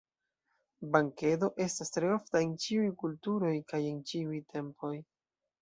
Bankedo estas tre ofta en ĉiuj kulturoj kaj en ĉiuj tempoj.